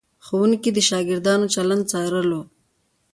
ښوونکي د شاګردانو چلند څارلو.